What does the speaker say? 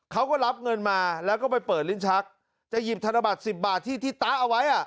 เขาก็รับเงินมาแล้วก็ไปเปิดลิ้นชักจะหยิบธนบัตร๑๐บาทที่ที่ตะเอาไว้อ่ะ